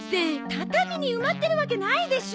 畳に埋まってるわけないでしょ。